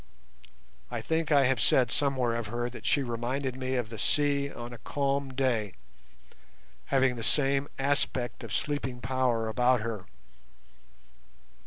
I think I have said somewhere of her that she reminded me of the sea on a calm day, having the same aspect of sleeping power about her.